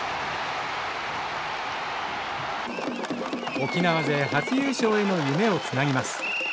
沖縄勢初優勝への夢をつなぎます。